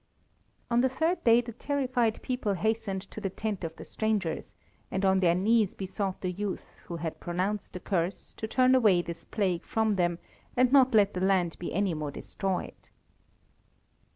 On the third day the terrified people hastened to the tent of the strangers, and on their knees besought the youth, who had pronounced the curse, to turn away this plague from them, and not let the land be any more destroyed.